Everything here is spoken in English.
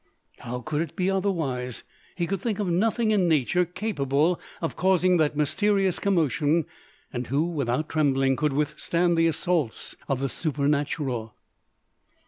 How could it be otherwise? He could think of nothing in nature capable of causing that mysterious commotion and who, without trembling, could withstand the assaults of the supernatural?